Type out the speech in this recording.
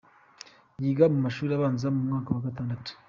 Yiga mu mashuri abanza mu mwaka wa gatandatu.